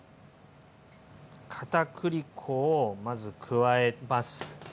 かたくり粉をまず加えます。